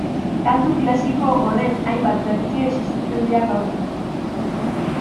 Kantu klasiko horren hainbat bertsio existitzen dira gaur egun